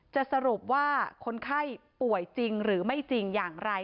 สรุปว่าคนไข้ป่วยจริงหรือไม่จริงอย่างไร